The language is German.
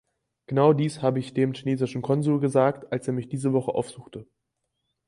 Genau dies habe ich dem chinesischen Konsul gesagt, als er mich diese Woche aufsuchte.